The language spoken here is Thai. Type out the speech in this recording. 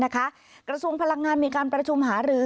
กระทรวงพลังงานมีการประชุมหารือ